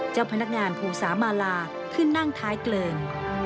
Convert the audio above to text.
เจ้าพนักงานภูสามาลาขึ้นนั่งท้ายเกลิง